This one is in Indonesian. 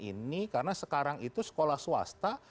ini karena sekarang itu sekolah swasta